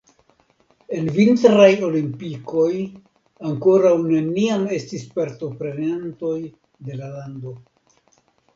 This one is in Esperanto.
En vintraj olimpikoj ankoraŭ neniam estis partoprenantoj de la lando.